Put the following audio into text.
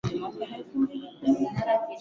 la mawaziri kabla ya uchaguzi mkuu wa mwaka